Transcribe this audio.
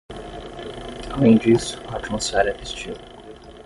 Além disso, a atmosfera é festiva.